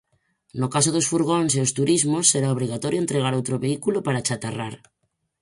No caso dos furgóns e os turismos será obrigatorio entregar outro vehículo para achatarrar.